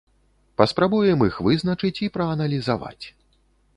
Паспрабуем іх вызначыць і прааналізаваць.